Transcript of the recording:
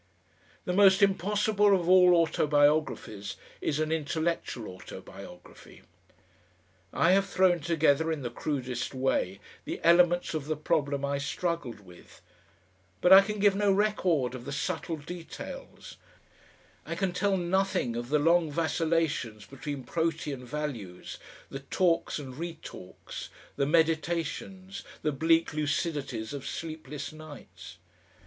The most impossible of all autobiographies is an intellectual autobiography. I have thrown together in the crudest way the elements of the problem I struggled with, but I can give no record of the subtle details; I can tell nothing of the long vacillations between Protean values, the talks and re talks, the meditations, the bleak lucidities of sleepless nights....